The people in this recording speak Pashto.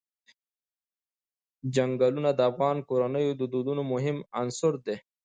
چنګلونه د افغان کورنیو د دودونو مهم عنصر دی.